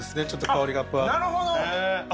ちょっと香りがなるほど。